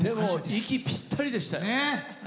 息ぴったりでしたね。